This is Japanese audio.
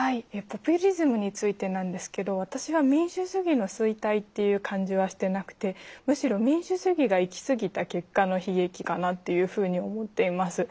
ポピュリズムについてなんですけど私は民主主義の衰退っていう感じはしてなくてむしろ民主主義が行き過ぎた結果の悲劇かなっていうふうに思っています。